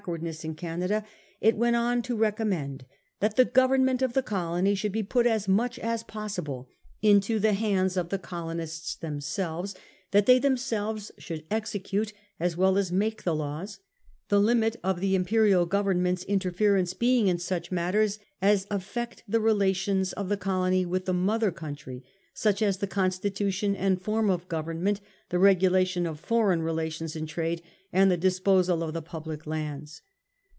wardness in Canada, it went on to recommend that the government of the colony should be put as much as possible into the hands of the colonists themselves, that they themselves should execute as well as make the laws, the limi t of the Imperial Government's in terference being in such matters as affect the relations of the colony with the mother country, such as the constitution and form of government, the regulation of foreign relations and trade, and the disposal of the public lands.